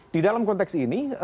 di dalam konteks ini